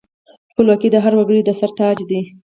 خپلواکي د هر وګړي د سر تاج دی.